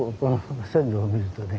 線路を見るとね。